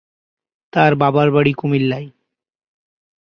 তার বাবার বাড়ি কুমিল্লায়।